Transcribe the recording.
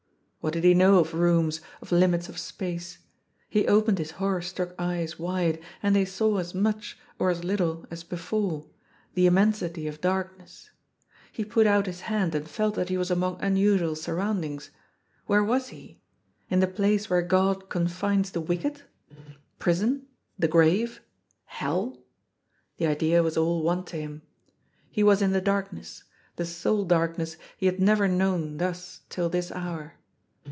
What did he know of rooms, of limits of space. He opened his horror struck eyes wide, and they saw as much, or as little, as before — ^the immensiiy of darkness. He put out his hand and felt that he was among unusual sur roundings. Where was he? In the place where God confines the wicked ? Prison, the grave, hell — the idea was all one to him. He was in the darkness — ^the soul darkness he had never known thus till this hour.